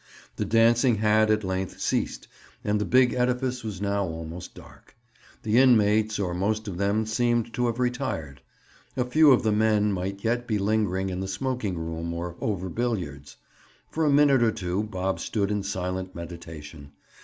The dancing had, at length, ceased and the big edifice was now almost dark. The inmates, or most of them, seemed to have retired. A few of the men might yet be lingering in the smoking room or over billiards. For a minute or two Bob stood in silent meditation.